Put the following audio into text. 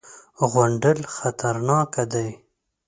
_غونډل خطرناکه دی.